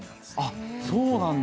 あっそうなんだ。